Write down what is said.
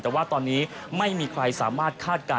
แต่ว่าตอนนี้ไม่มีใครสามารถคาดการณ